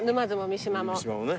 三島もね。